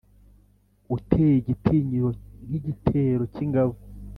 uteye igitinyiro nk’igitero cy’ingabo?»